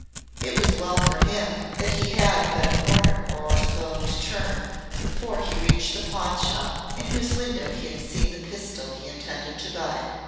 It was well for him that he had but a corner or so to turn before he reached the pawnshop in whose window he had seen the pistol he intended to buy.